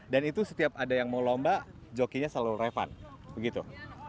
dan itu setiap ada yang mau lomba jokinya selalu revan begitu